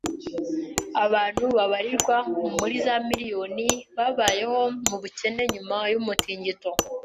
Abantu babarirwa muri za miriyoni babayeho mu bukene nyuma y’umutingito.